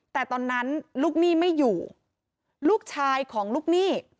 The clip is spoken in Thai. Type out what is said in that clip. แต่ตอนนั้นลูกหนี้ไม่อยู่ลูกชายของลูกหนี้